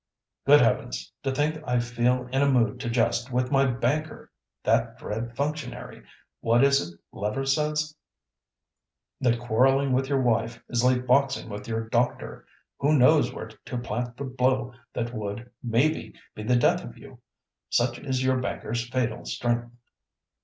Good Heavens! to think I feel in a mood to jest with my banker. That dread functionary! What is it Lever says—that quarrelling with your wife is like boxing with your doctor, who knows where to plant the blow that would, maybe, be the death of you? Such is your banker's fatal strength."